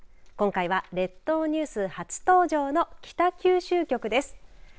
今回は、列島ニュース初登場の北九州局です。